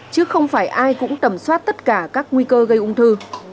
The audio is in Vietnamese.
chứ không phải ai cũng tầm soát tất cả các nguy cơ gây ung thư